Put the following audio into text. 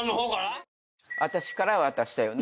私から渡したよね。